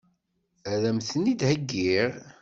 Ad m-ten-id-heggiɣ?